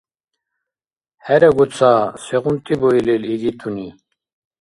ХӀерагу ца, сегъунти буилил «игитуни»!